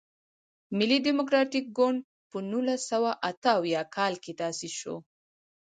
ملي ډیموکراتیک ګوند په نولس سوه اته اویا کال کې تاسیس شو.